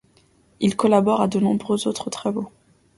Il collabore à de nombreux autres travaux.